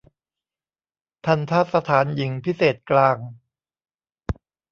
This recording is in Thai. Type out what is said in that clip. ทัณฑสถานหญิงพิเศษกลาง